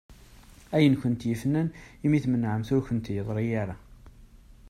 Ay kent-ifnan mi tmenεemt ur kent-yeḍri kra.